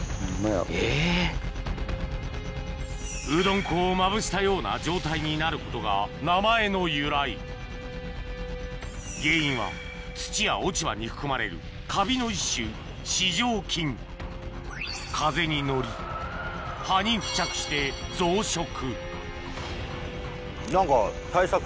うどん粉をまぶしたような状態になることが名前の由来原因は土や落ち葉に含まれるカビの一種風に乗り葉に付着して増殖何か。